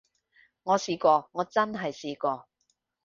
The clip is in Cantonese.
我試過，我真係試過